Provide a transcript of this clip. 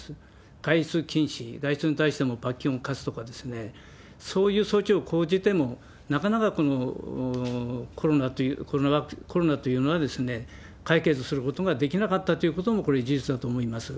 外出禁止、外出に対しても罰金を科すとかですね、そういう措置を講じても、なかなかこのコロナというのは、解決することができなかったということも、これ、事実だと思います。